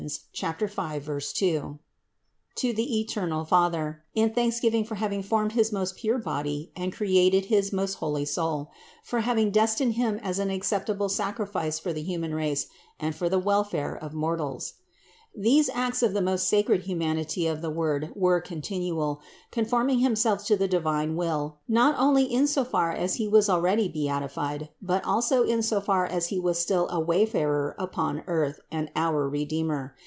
5, 2) to the eternal Father, in thanksgiving for having formed his most pure body and created his most holy soul ; for having destined Him as an acceptable sacrifice for the human race and for the welfare of mor tals. These acts of the most sacred humanity of the Word were continual, conforming Himself to the divine will not only in so far as He was already beatified, but also in so far as He was still a wayfarer upon earth and our Redeemer.